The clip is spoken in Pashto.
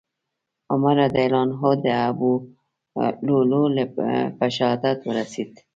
عمر رضي الله عنه د ابولؤلؤ له په شهادت ورسېد.